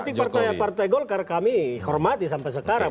kalau posisi politik partai golkar kami hormati sampai sekarang